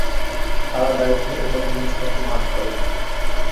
তারা দায়িত্ব এবং জিনিসপত্র ভাগ করে।